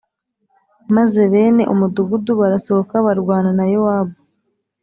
Maze bene umudugudu barasohoka barwana na Yowabu.